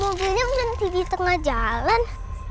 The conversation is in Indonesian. mobilnya nanti ditengah jalan